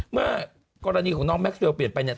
เมื่อกรณีของน้องแม็กเรลเปลี่ยนไปเนี่ย